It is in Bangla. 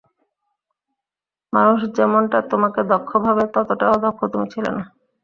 মানুষ যেমনটা তোমাকে দক্ষ ভাবে ততটাও দক্ষ তুমি ছিলে না।